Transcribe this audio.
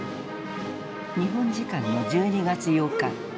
日本時間の１２月８日。